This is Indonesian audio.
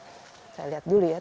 tanaman yang digunakan adalah perut